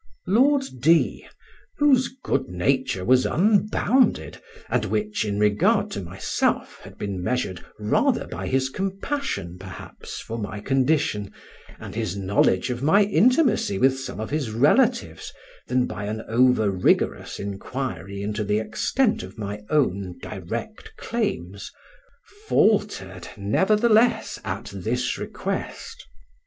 Lord D——, whose good nature was unbounded, and which, in regard to myself, had been measured rather by his compassion perhaps for my condition, and his knowledge of my intimacy with some of his relatives, than by an over rigorous inquiry into the extent of my own direct claims, faltered, nevertheless, at this request.